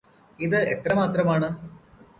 ഇത് എത്രമാത്രമാണ്?